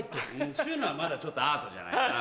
駿のはまだちょっとアートじゃないかな。